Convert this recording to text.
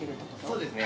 そうですね。